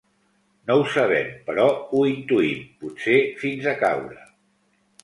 No ho sabem, però ho intuïm; potser fins a caure.